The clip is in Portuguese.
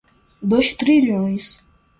Dois trilhões